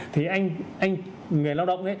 thì anh người lao động